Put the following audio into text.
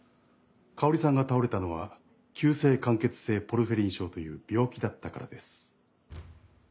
香織さんが倒れたのは急性間欠性ポルフィリン症という病気だったからです。